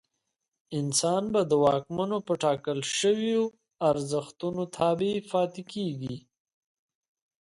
انسان به د واکمنو په ټاکل شویو ارزښتونو تابع پاتې کېږي.